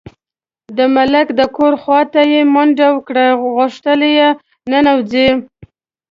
د ملک د کور خواته یې منډه کړه، غوښتل یې ننوځي.